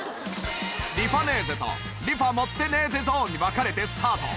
リファネーゼとリファ持ってネーゼゾーンに分かれてスタート。